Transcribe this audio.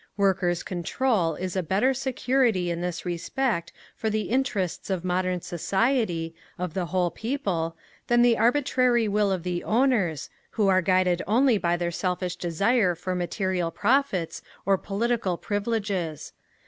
Workers' Control is a better security in this respect for the interests of modern society, of the whole people, than the arbitrary will of the owners, who are guided only by their selfish desire for material profits or political privileges.